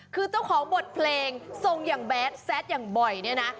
คือเจ้าของบทเพลงทรงอย่างแดดแซดอย่างบ่อยเนี่ยนะ